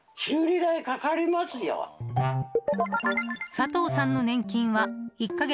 佐藤さんの年金は１か月